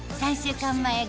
３週間前